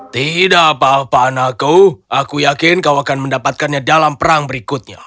tidak apa apa anakku aku yakin kau akan mendapatkannya dalam perang berikutnya